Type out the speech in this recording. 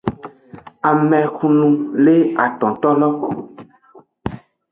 Amehunu le atontolo.